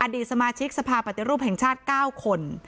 ดีสมาชิกสภาปฏิรูปแห่งชาติ๙คน